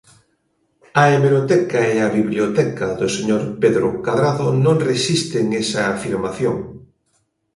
A hemeroteca e a biblioteca do señor Pedro Cadrado non resisten esa afirmación.